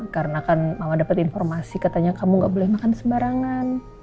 karena kan mama dapet informasi katanya kamu gak boleh makan sembarangan